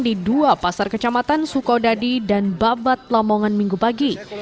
di dua pasar kecamatan sukodadi dan babat lamongan minggu pagi